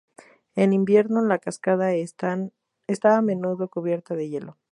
En invierno, la cascada está a menudo cubierta de hielo.